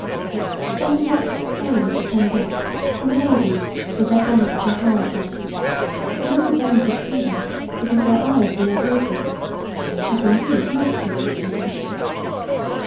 Then he watched the sailors upon deck, and the ladies, with their bonnets and parasols: but none of them could see him, because their eyes were not opened,—as, indeed, most people's eyes are not.